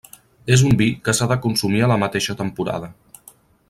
És un vi que s'ha de consumir a la mateixa temporada.